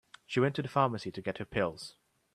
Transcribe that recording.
She went to the pharmacy to get her pills.